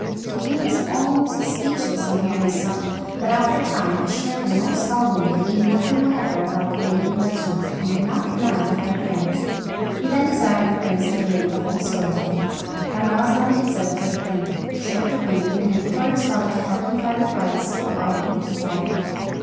The king was almost speechless on hearing his son, but after a time assured him most solemnly that he knew nothing whatever about the lady in question, and had not connived at her appearance. He then desired the prince to relate the whole story to him. Camaralzaman did so at great length, showed the ring, and implored his father to help to find the bride he so ardently desired.